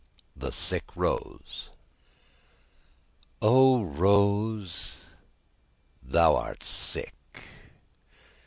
THE SICK ROSE O rose, thou art sick!